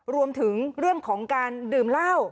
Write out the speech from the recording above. รวมถึงเรื่องของการดื่มเหล้า